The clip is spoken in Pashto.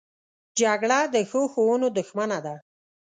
جګړه د ښو ښوونو دښمنه ده